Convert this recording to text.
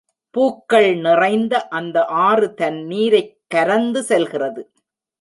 பூக்கள் நிறைந்த அந்த ஆறு தன் நீரைக் கரந்து செல்கிறது.